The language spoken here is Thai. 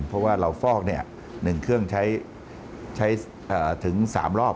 เพราะว่าเราฟอก๑เครื่องใช้ถึง๓รอบ